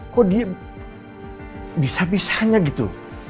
kok dia bisa pisahnya gitu